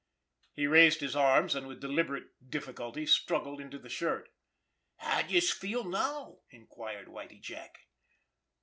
He raised his arms, and with deliberate difficulty struggled into the shirt. "How d'youse feel now?" inquired Whitie Jack.